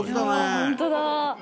本当だ！